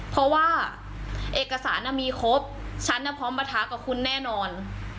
เพราะว่าเอกสารมีครบฉันพร้อมประทะกับคุณแน่นอน